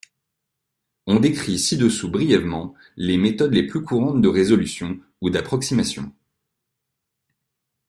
On décrit ci-dessous brièvement les méthodes les plus courantes de résolution ou d'approximation.